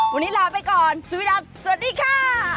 วันนี้ลาไปก่อนสวัสดีค่ะ